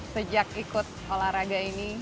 sejak ikut olahraga ini